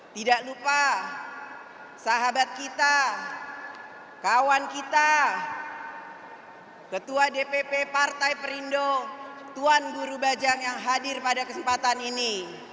tidak lupa sahabat kita kawan kita ketua dpp partai perindo tuan guru bajang yang hadir pada kesempatan ini